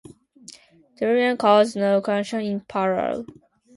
Dujuan caused no casualties in Palau.